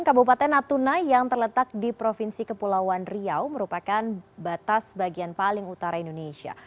kabupaten natuna yang terletak di provinsi kepulauan riau merupakan batas bagian paling utara indonesia